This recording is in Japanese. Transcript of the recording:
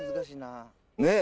ねえ